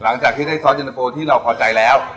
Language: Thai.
หลังจากที่ได้ซอสเย็นเตอร์โฟตั้งต้นที่เราพอใจแล้ว